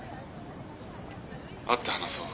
会って話そう。